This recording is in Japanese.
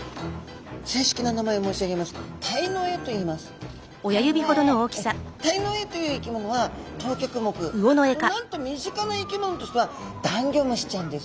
正式な名前を申し上げますとタイノエという生き物は等脚目なんと身近な生き物としてはダンギョムシちゃんです。